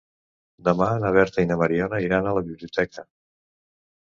Demà na Berta i na Mariona iran a la biblioteca.